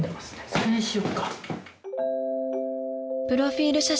［プロフィル